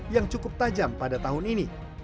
yang cukup tajam pada tahun ini